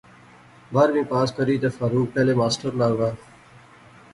بارہویں پاس کری تے فاروق پہلے ماسٹر لاغا